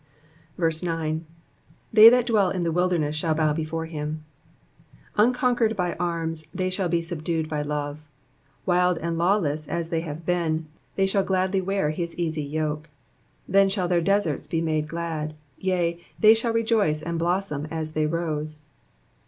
9. ^^They that dwell in the wilderness shall "bow hffore him.'''' Unconquered by arms, they shall be subdued by love. Wild and lawless as they have been, they shall gladly wear his easy yoke ; then shall their deseits be made glad, yea, they shall rejoice and blossom as the rose.